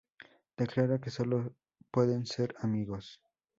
Declara que solo pueden ser amigos.